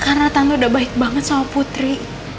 karena tante udah baik banget sama putri